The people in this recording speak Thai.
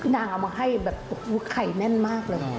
เอามาให้แบบไข่แน่นมากเลย